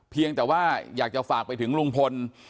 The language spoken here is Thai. เพียงแต่ว่าอยากจะฝากไปถึงลุงพล